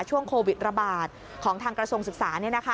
ช่วงโควิดระบาดของทางกระทรวงศึกษา